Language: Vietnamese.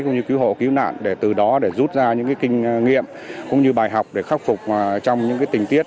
cũng như cứu hộ cứu nạn để từ đó để rút ra những kinh nghiệm cũng như bài học để khắc phục trong những tình tiết